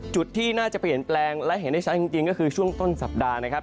จุดที่น่าจะเปลี่ยนแปลงและเห็นได้ชัดจริงก็คือช่วงต้นสัปดาห์นะครับ